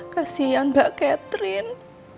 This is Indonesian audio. kasian mbak catherine